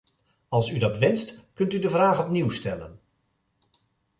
Als u dat wenst, kunt u de vraag opnieuw stellen.